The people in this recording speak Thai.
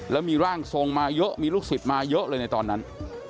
แล้วมีร่างทรงมาเยอะมีลูกศิษย์มาเยอะเลยในตอนนั้น